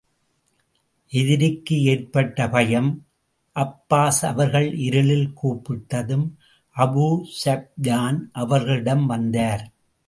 எதிரிக்கு ஏற்பட்ட பயம் அப்பாஸ் அவர்கள் இருளில் கூப்பிட்டதும், அபூ ஸுப்யான், அவர்களிடம் வந்தார்.